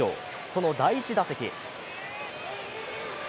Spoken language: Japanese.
その第１打席。